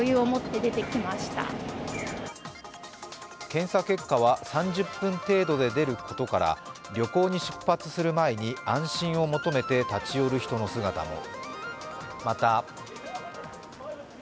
検査結果は３０分程度で出ることから旅行に出発する前に安心を求めて、立ち寄る人の姿も。